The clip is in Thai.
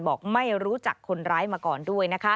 บอกไม่รู้จักคนร้ายมาก่อนด้วย